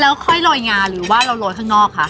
แล้วค่อยโรยงาหรือว่าเราโรยข้างนอกคะ